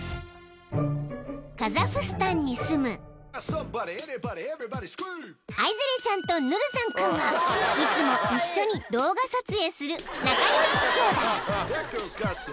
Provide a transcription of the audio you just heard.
［カザフスタンに住むアイゼレちゃんとヌルザン君はいつも一緒に動画撮影する仲良しきょうだい］